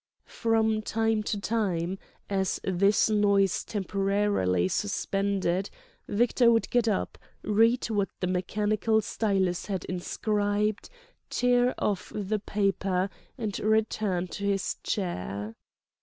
From time to time, as this noise temporarily suspended, Victor would get up, read what the mechanical stylus had inscribed, tear off the paper, and return to his chair.